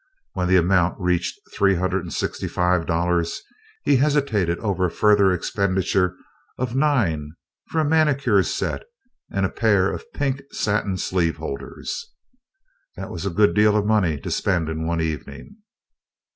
When the amount reached three hundred and sixty five dollars, he hesitated over a further expenditure of nine for a manicure set and a pair of pink satin sleeve holders. That was a good deal of money to spend in one evening.